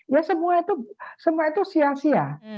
ya semua itu sia sia